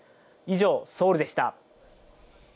以上、ソウルでした。